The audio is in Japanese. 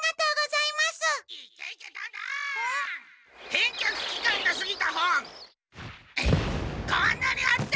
返却期間がすぎた本こんなにあった！